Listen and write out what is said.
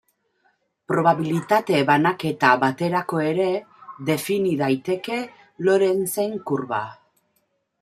Probabilitate banaketa baterako ere defini daiteke Lorenzen kurba.